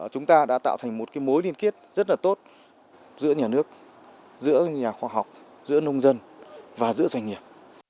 chúng ta đã tạo thành một mối liên kết rất là tốt giữa nhà nước giữa nhà khoa học giữa nông dân và giữa doanh nghiệp